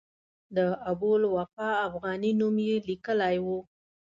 د ابوالوفاء افغاني نوم یې لیکلی و.